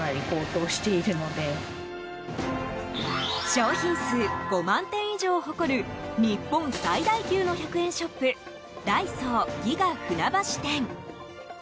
商品数５万点以上を誇る日本最大級の１００円ショップダイソーギガ船橋店。